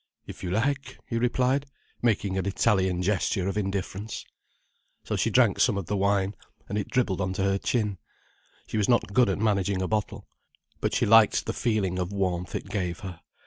"If you like," he replied, making an Italian gesture of indifference. So she drank some of the wine, and it dribbled on to her chin. She was not good at managing a bottle. But she liked the feeling of warmth it gave her.